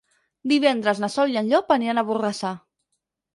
Divendres na Sol i en Llop aniran a Borrassà.